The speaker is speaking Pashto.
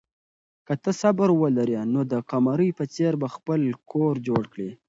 که ته صبر ولرې نو د قمرۍ په څېر به خپل کور جوړ کړې.